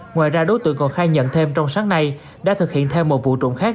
ngoài ra đối tượng còn khai nhận thêm trong sáng nay đã thực hiện thêm một vụ trộm khác